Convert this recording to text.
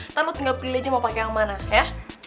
nanti lo tinggal pilih aja mau pake yang mana ya